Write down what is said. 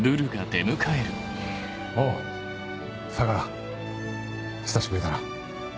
おう相良久しぶりだな。